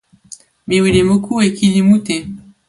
mi wile moku e kili mute